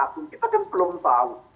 kita kan belum tahu